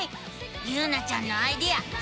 ゆうなちゃんのアイデアすごいね！